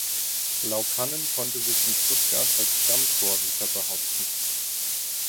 Laukkanen konnte sich in Stuttgart als Stammtorhüter behaupten.